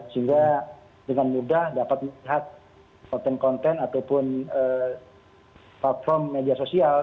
sehingga dengan mudah dapat melihat konten konten ataupun platform media sosial